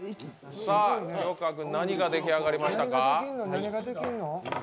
さあ、清川君何が出来上がりましたか？